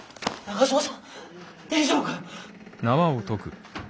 大丈夫かい？